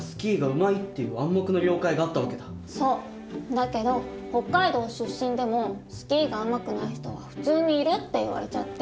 だけど北海道出身でもスキーがうまくない人は普通にいるって言われちゃって。